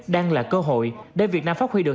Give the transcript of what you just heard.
đang là cơ hội để việt nam phát huy được